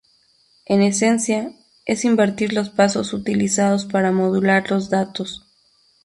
En esencia, es invertir los pasos utilizados para modular los datos.